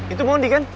itu mondi kan